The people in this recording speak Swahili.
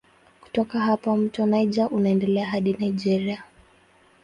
Kutoka hapa mto Niger unaendelea hadi Nigeria.